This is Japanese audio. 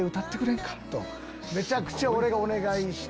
めちゃくちゃ俺がお願いして。